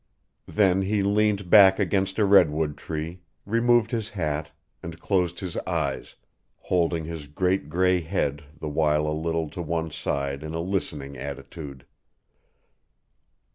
Then he leaned back against a redwood tree, removed his hat, and closed his eyes, holding his great gray head the while a little to one side in a listening attitude.